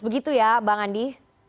begitu ya bang andi